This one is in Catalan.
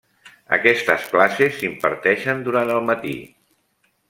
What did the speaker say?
Aquestes classes s'imparteixen durant el matí.